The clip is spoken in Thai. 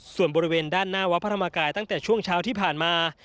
ส่วนบริเวณด้านหน้าวัดพระธรรมกายตั้งแต่ช่วงเช้าที่ผ่านมา